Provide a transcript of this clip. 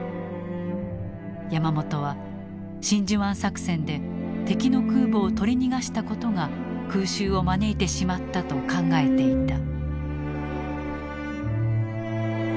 山本は真珠湾作戦で敵の空母を取り逃がしたことが空襲を招いてしまったと考えていた。